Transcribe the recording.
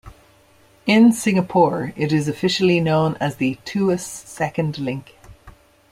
In Singapore, it is officially known as the Tuas Second Link.